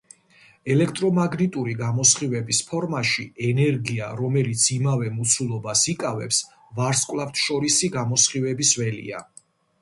ელექტრომაგნიტური გამოსხივების ფორმაში ენერგია, რომელიც იმავე მოცულობას იკავებს, ვარსკვლავთშორისი გამოსხივების ველია.